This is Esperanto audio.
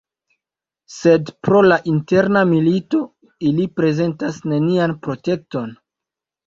Sed pro la interna milito, ili prezentas nenian protekton.